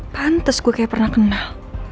pantes ku kayak pernah kenal